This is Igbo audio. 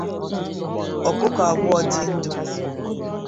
ọkụkọ abụọ dị ndụ